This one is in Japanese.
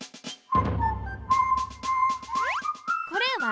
これは軒。